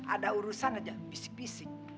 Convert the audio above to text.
ada urusan aja bisik bisik